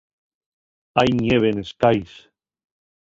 Hai ñeve nes cais.